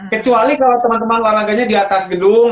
kecuali kalau teman teman olahraganya di atas gedung